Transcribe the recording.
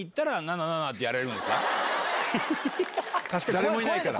誰もいないから。